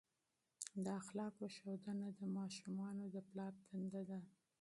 د اخلاقو ښودنه د ماشومانو د پلار دنده ده.